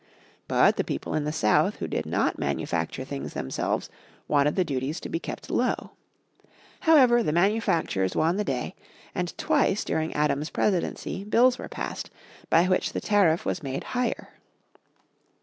But the people in the South who did not manufacture things themselves wanted the duties to be kept low. However the manufacturers won the day, and twice during Adams' presidency bills were passed, by which the tariff was made higher.